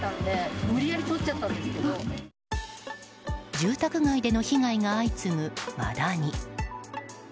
住宅街での被害が相次ぐマダニ。